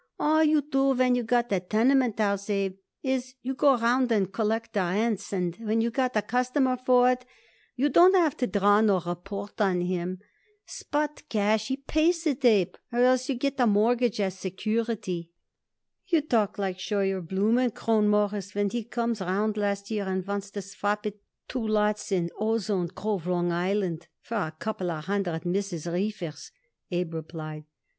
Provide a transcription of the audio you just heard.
All you do when you got a tenement house, Abe, is to go round and collect the rents, and when you got a customer for it you don't have to draw no report on him. Spot cash, he pays it, Abe, or else you get a mortgage as security." "You talk like Scheuer Blumenkrohn, Mawruss, when he comes round here last year and wants to swap it two lots in Ozone Grove, Long Island, for a couple of hundred misses' reefers," Abe replied.